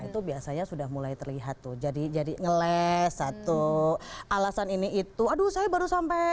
itu biasanya sudah mulai terlihat tuh jadi jadi ngeles satu alasan ini itu aduh saya baru sampai